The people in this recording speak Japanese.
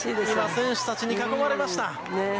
選手たちに囲まれました。